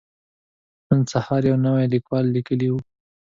نن سهار يو نوي ليکوال ليکلي وو.